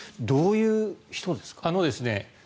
どういう人ですか？